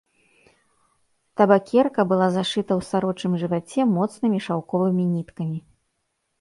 Табакерка была зашыта ў сарочым жываце моцнымі шаўковымі ніткамі.